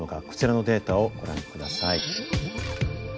こちらのデータをご覧ください。